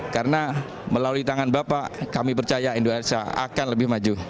karena melalui tangan bapak kami percaya indonesia akan lebih maju